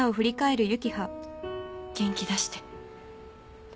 元気出して。